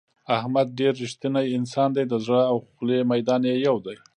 احمد ډېر رښتینی انسان دی د زړه او خولې میدان یې یو دی.